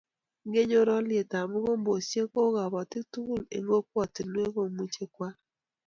Ngechor olyetab mogombesiek ko kobotik tugul eng kokwatinwek komuchi koal